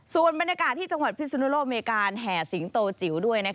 ส่วนบรรยากาศที่จังหวัดพิสุนุโลกมีการแห่สิงโตจิ๋วด้วย